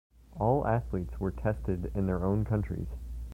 All athletes were tested in their own countries.